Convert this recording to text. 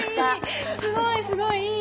すごいすごい！いい！